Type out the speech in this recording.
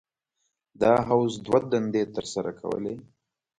دا حوض دوه دندې تر سره کولې.